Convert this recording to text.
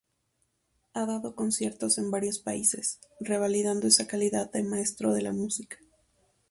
Ha dado conciertos en varios países, revalidando esa calidad de maestro de la música.